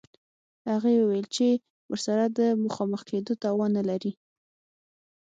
هغې وویل چې ورسره د مخامخ کېدو توان نلري